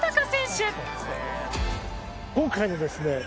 今回のですね